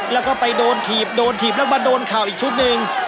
แล้วก็ไปโดนถีบโดนถีบแล้วมาโดนเข่าอีกชุดหนึ่ง